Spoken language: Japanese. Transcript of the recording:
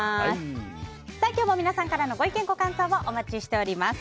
今日も皆さんからのご意見、ご感想をお待ちしています。